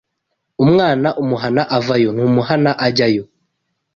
Umwana umuhana avayo ntumuhana ajyayo